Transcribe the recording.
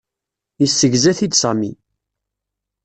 Yessegza-t-id Sami.